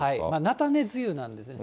菜種梅雨なんですね。